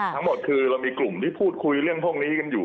ทั้งหมดคือเรามีกลุ่มที่พูดคุยเรื่องพวกนี้กันอยู่